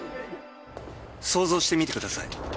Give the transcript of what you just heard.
想像してみてください。